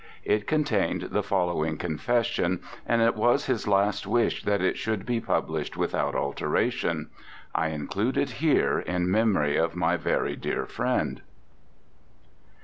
It contained the following confession, and it was his last wish that it should be published without alteration. I include it here in memory of my very dear friend.